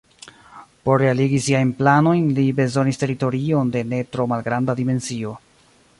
Por realigi siajn planojn li bezonis teritorion de ne tro malgranda dimensio.